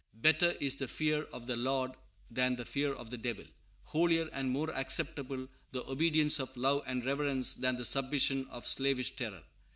Better is the fear of the Lord than the fear of the Devil; holier and more acceptable the obedience of love and reverence than the submission of slavish terror.